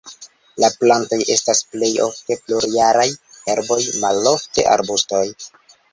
La plantoj estas plej ofte plurjaraj herboj, malofte arbustoj.